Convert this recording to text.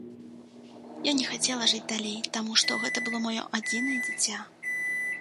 Я не хацела жыць далей, таму што гэта было маё адзінае дзіця.